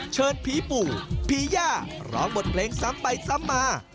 เชิญผีปู่ผีย่าร้องบทเพลงซ้ำไปซ้ำมา